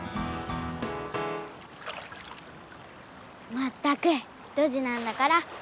まったくドジなんだから。